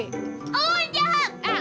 lo yang jahat